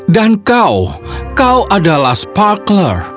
dan kau kau adalah sparkler